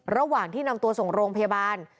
ระหว่างที่นำตัวส่งโรงพยาบาล